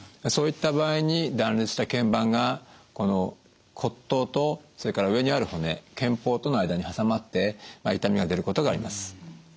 そういった場合に断裂した腱板がこの骨頭とそれから上にある骨肩峰との間に挟まって痛みが出ることがあります。